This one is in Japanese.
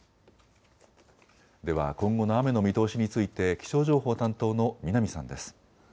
では今後の雨の見通しについて気象情報担当の南さんです。